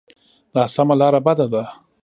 ناسمه لاره بده ده.